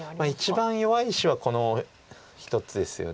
一番弱い石はこの１つですよね。